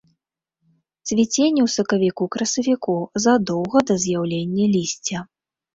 Цвіценне ў сакавіку-красавіку, задоўга да з'яўлення лісця.